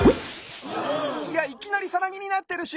いやいきなりさなぎになってるし！